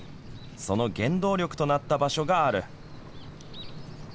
その原動力となった場所がある。